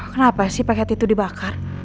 kenapa sih paket itu dibakar